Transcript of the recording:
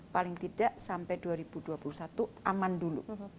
paling tidak sampai dua ribu dua puluh satu aman dulu